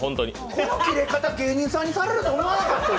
このキレ方芸人さんにされると思わなかった！